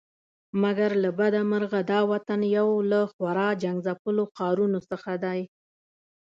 مګر له بده مرغه دا وطن یو له خورا جنګ ځپلو ښارونو څخه دی.